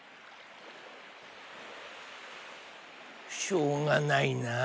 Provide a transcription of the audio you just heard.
しょうがないな。